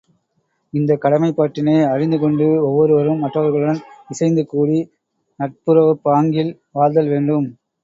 இந்தக் கடமைப்பாட்டினை அறிந்து கொண்டு ஒவ்வொருவரும் மற்றவர்களுடன் இசைந்து கூடி நட்புறவுப்பாங்கில் வாழ்தல் வேண்டும்.